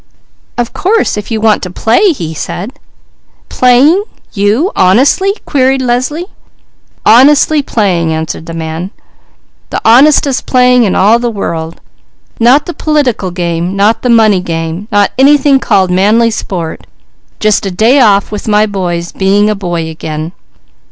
"Of course if you want to play!" he said. "Playing? You? Honestly?" queried Leslie. "Honestly playing," answered the man. "The 'honestest' playing in all the world; not the political game, not the money game, not anything called manly sport, just a day off with my boys, being a boy again.